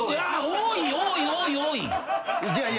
多い多い多い多い！